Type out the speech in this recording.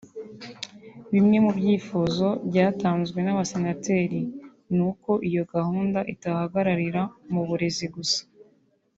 Bimwe mu byifuzo byatanzwe n’abasenateri ni uko iyo gahunda itahagararira mu burezi gusa